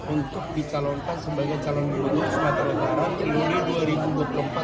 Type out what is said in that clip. untuk dicalonkan sebagai calon budu sumatera utara